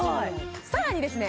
さらにですね